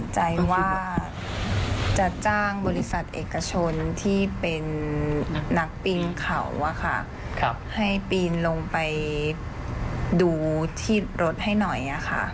ใจว่าจะจ้างบริษัทเอกชนที่เป็นนักปิงเขาให้ปีนลงไปดูที่รถให้หน่อยค่ะ